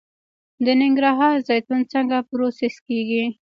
د ننګرهار زیتون څنګه پروسس کیږي؟